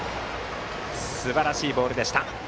すばらしいボールでした。